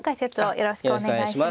よろしくお願いします。